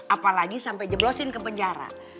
apalagi sampai jeblosin ke penjara